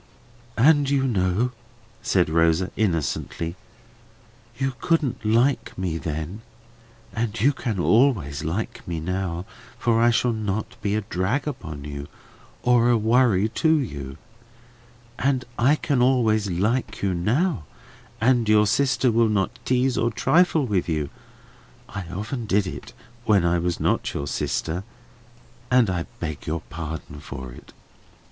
"And you know," said Rosa innocently, "you couldn't like me then; and you can always like me now, for I shall not be a drag upon you, or a worry to you. And I can always like you now, and your sister will not tease or trifle with you. I often did when I was not your sister, and I beg your pardon for it."